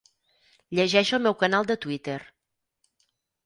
Llegeix el meu canal de Twitter.